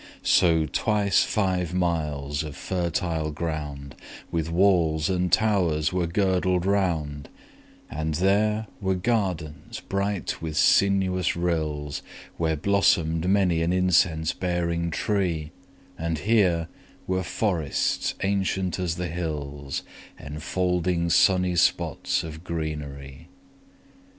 5 So twice five miles of fertile ground With walls and towers were girdled round: And there were gardens bright with sinuous rills Where blossom'd many an incense bearing tree; And here were forests ancient as the hills, 10 Enfolding sunny spots of greenery.